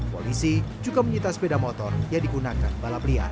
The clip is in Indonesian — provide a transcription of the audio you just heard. polisi juga menyita sepeda motor yang digunakan balap liar